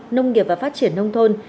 nông nghiệp và phát triển nông thôn